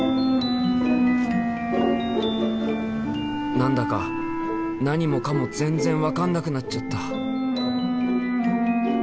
何だか何もかも全然分かんなくなっちゃった。